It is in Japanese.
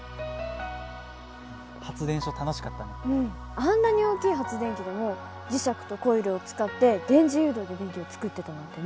あんなに大きい発電機でも磁石とコイルを使って電磁誘導で電気を作ってたなんてね。